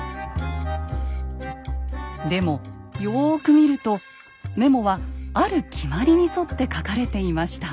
でもよく見るとメモはある決まりに沿って書かれていました。